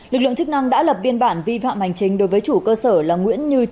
lực lượng chức năng đã lập biên bản vi phạm hành chính đối với chủ cơ sở là nguyễn như